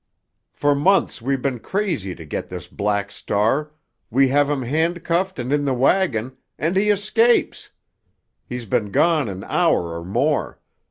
For months we've been crazy to get this Black Star—we have him handcuffed and in the wagon—and he escapes! He's been gone an hour or more.